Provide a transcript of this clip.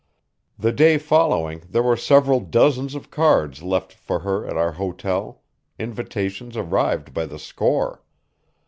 The day following there were several dozens of cards left for her at our hotel; invitations arrived by the score.